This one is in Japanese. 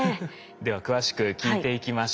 では詳しく聞いていきましょう。